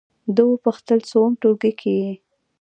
ده وپوښتلم: څووم ټولګي کې یې؟